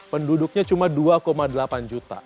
penduduknya cuma dua delapan juta